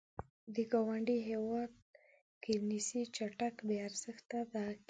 د ګاونډي هېواد کرنسي چټک بې ارزښته کېده.